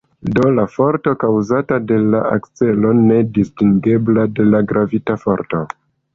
Do la forto kaŭzata de la akcelo ne distingeblas de la gravita forto.